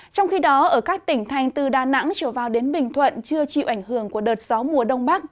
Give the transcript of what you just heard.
trong khi đó ở các tỉnh thành từ đà nẵng trở vào đến bình thuận chưa chịu ảnh hưởng của đợt gió mùa đông bắc